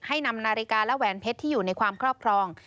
นำนาฬิกาและแหวนเพชรที่อยู่ในความครอบครอง